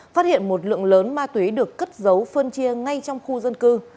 phát hiện một lượng lớn ma túy được cất giấu phân chia ngay trong khu dân cư